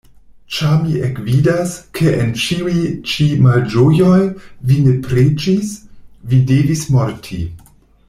Ĉar mi ekvidas, ke en ĉiuj-ĉi malĝojoj vi ne preĝis, vi devis morti.